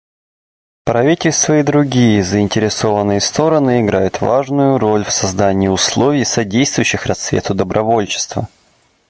Правительства и другие заинтересованные стороны играют важную роль в создании условий, содействующих расцвету добровольчества.